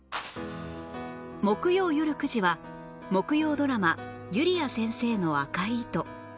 木曜よる９時は木曜ドラマ『ゆりあ先生の赤い糸』